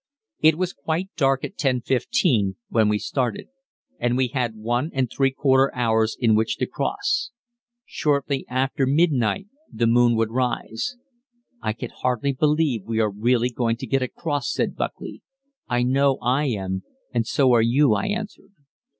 _ It was quite dark at 10.15 when we started, and we had one and three quarter hours in which to cross. Shortly after midnight the moon would rise. "I can hardly believe we are really going to get across," said Buckley. "I know I am, and so are you," I answered.